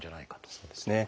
そうですね。